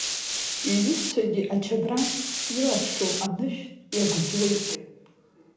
Иҩызцәагьы ачабра илаԥсоу анышә иагәӡуеит.